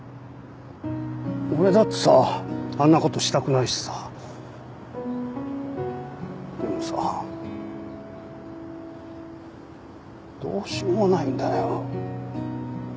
俺だってさあんなことしたくないしさでもさどうしようもないんだよ